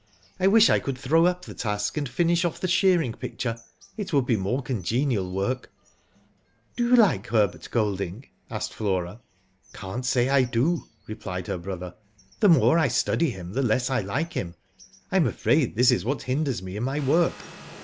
I wish I could throw up the task, and finish off the shearing picture; it would be more congenial work/' "Do you like Herbert Golding?*' asked Flora. " Can't say I do," replied her brother. *' The more I study him, the less I like him. I am afraid this is what hinders me in my work.